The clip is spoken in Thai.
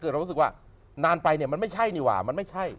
เรารู้สึกว่านานไปเนี่ยมันไม่ใช่นี่ว่ามันไม่ใช่